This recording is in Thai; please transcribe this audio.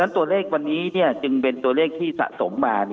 ตัวเลขวันนี้จึงเป็นตัวเลขที่สะสมมา